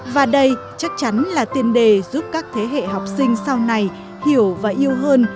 và đây chắc chắn là tiền đề giúp các thế hệ học sinh sau này hiểu và yêu hơn